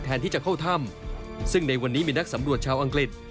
ที่จะเข้าถ้ำซึ่งในวันนี้มีนักสำรวจชาวอังกฤษ